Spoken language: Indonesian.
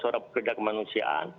seorang pemerintah kemanusiaan